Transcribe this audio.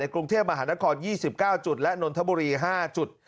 กรุงเทพมหานคร๒๙จุดและนนทบุรี๕จุด